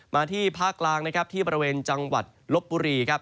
มาที่ภาคกลางที่บริเวณจังหวัดลบบุรี